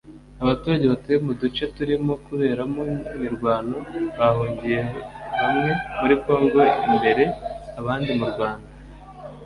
Abaturage batuye mu duce turimo kuberamo imirwano bahungiye bamwe muri Congo imbere abandi mu Rwanda